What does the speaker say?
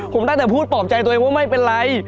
ผมได้แต่พูดปลอบใจตัวเองว่าไม่เป็นไร